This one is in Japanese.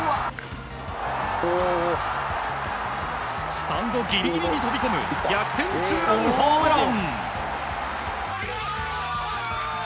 スタンドギリギリに飛び込む逆転ツーランホームラン！